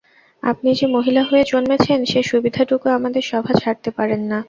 আপনি যে মহিলা হয়ে জন্মেছেন সে সুবিধাটুকু আমাদের সভা ছাড়তে পারেন না।